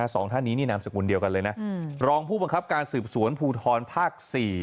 สองท่านนี้นี่นามสกุลเดียวกันเลยนะรองผู้บังคับการสืบสวนภูทรภาค๔